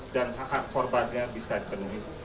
dan hak hak korbannya bisa dipenuhi